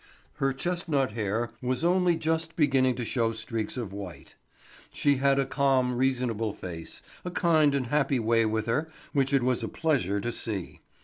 Her chestnut hair was only just beginning to show streaks of white. She had a calm, reasonable face, a kind and happy way with her which it was a pleasure to see.